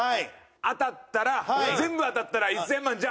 当たったら全部当たったら１０００万じゃあ。